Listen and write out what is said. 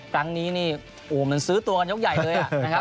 ครั้งนี้มันซื้อตัวกันยกใหญ่เลย